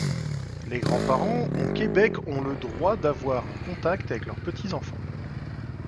Les grands-parents ont Québec ont le droit d'avoir un contact avec leurs petits-enfants.